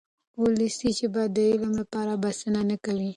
ولسي ژبه د علم لپاره بسنه نه کوي.